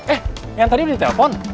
eh yang tadi udah di telpon